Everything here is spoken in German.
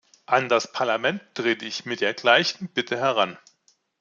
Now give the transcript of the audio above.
An das Parlament trete ich mit der gleichen Bitte heran.